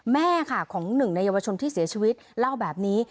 แม่ค่ะของหนึ่งในเยาวชนที่เสียชีวิตเล่าแบบนี้